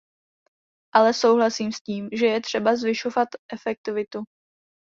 Ale souhlasím s tím, že je třeba zvyšovat efektivitu.